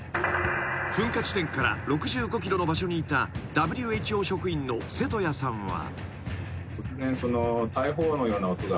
［噴火地点から６５ｋｍの場所にいたＷＨＯ職員の瀬戸屋さんは］